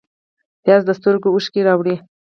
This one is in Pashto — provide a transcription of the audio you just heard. پیاز د سترګو اوښکې راوړي